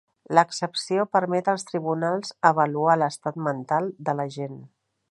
L'excepció permet als tribunals avaluar l'estat mental de l'agent.